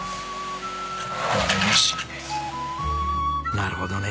なるほどね。